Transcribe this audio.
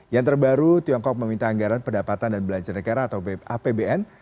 yang terbaru tiongkok meminta anggaran pendapatan dan belanja negara atau apbn